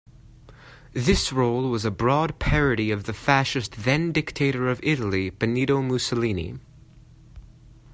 This role was a broad parody of the fascist then-dictator of Italy, Benito Mussolini.